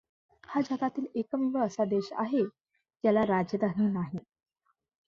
हा जगातील एकमेव असा देश आहे ज्याला राजधानी नाही.